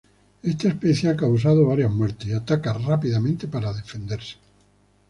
Esta especie ha causado varias muertes y ataca rápidamente para defenderse.